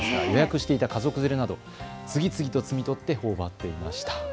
予約していた家族連れなど次々にほおばっていました。